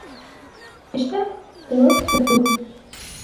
Эштә ҡулың күп булһын.